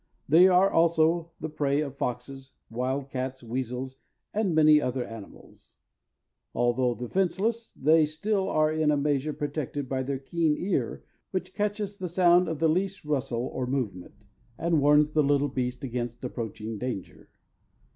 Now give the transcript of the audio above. They are also the prey of foxes, wild cats, weasels, and many other animals. Although defenseless, they still are in a measure protected by their keen ear, which catches the sound of the least rustle or movement, and warns the little beast against approaching danger.